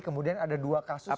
kemudian ada dua kasus